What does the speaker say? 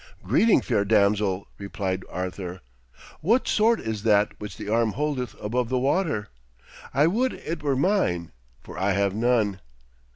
'Greeting, fair damsel!' replied Arthur. 'What sword is that which the arm holdeth above the water? I would it were mine, for I have none.'